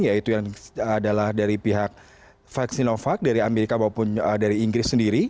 yaitu yang adalah dari pihak vaksin sinovac dari amerika maupun dari inggris sendiri